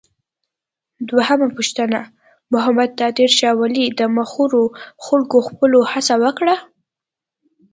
دویمه پوښتنه: محمد نادر شاه ولې د مخورو خلکو خپلولو هڅه وکړه؟